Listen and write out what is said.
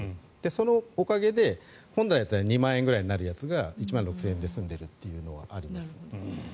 そのおかげで本来だったら２万円ぐらいになるやつが１万６０００円で済んでいるというのはあるんです。